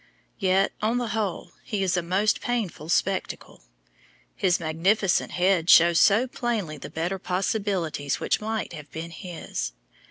Yet, on the whole, he is a most painful spectacle. His magnificent head shows so plainly the better possibilities which might have been his.